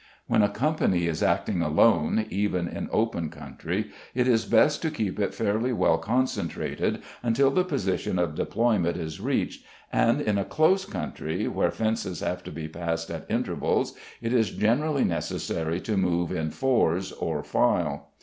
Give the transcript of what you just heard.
When a company is acting alone, even in open country, it is best to keep it fairly well concentrated until the position of deployment is reached, and in a close country, where fences have to be passed at intervals, it is generally necessary to move in fours or file.